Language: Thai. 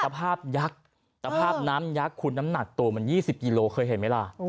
สภาพยักษ์สภาพน้ำยักษ์คุณน้ำหนักตัวมัน๒๐กิโลเคยเห็นไหมล่ะ